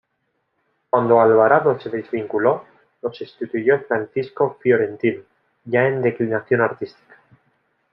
Cuando Alvarado se desvinculó, lo sustituyó Francisco Fiorentino, ya en declinación artística.